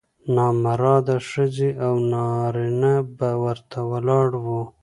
نامراده ښځې او نارینه به ورته ولاړ وو.